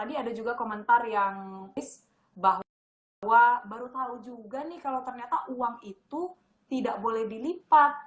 tadi ada juga komentar yang is bahwa baru tahu juga nih kalau ternyata uang itu tidak boleh dilipat